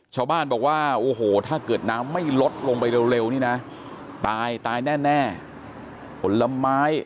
ชาวบ้านบอกว่าโอ้โหถ้าเกิดน้ำไม่ลดลงไปเร็วนี่นะตายตายแน่ผลไม้